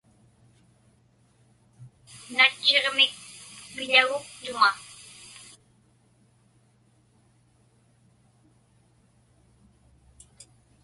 Natchiġmik piḷaguktuŋa.